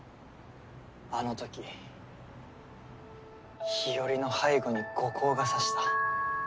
あのとき日和の背後に後光がさした。